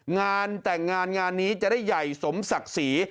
งานแต่งงานงานนี้จะได้ใหญ่สมศักดิ์ศรี